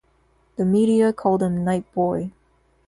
The media called him Night Boy.